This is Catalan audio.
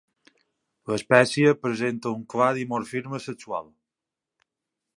L'espècie presenta un clar dimorfisme sexual.